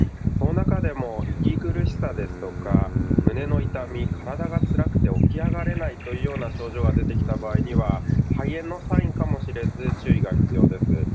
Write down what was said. その中でも、息苦しさですとか胸の痛み体が辛くて起き上がれないというような症状がでできた場合には肺炎のサインかもしれず注意が必要です。